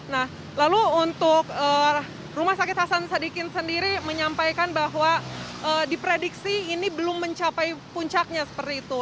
nah lalu untuk rumah sakit hasan sadikin sendiri menyampaikan bahwa diprediksi ini belum mencapai puncaknya seperti itu